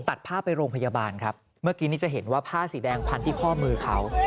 ตัดผ้าไปโรงพยาบาลครับเมื่อกี้นี้จะเห็นว่าผ้าสีแดงพันที่ข้อมือเขา